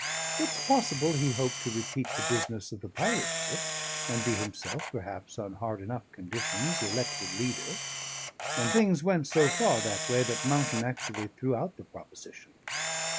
It's possible he hoped to repeat the business of the pirate ship, and be himself, perhaps, on hard enough conditions, elected leader; and things went so far that way that Mountain actually threw out the proposition.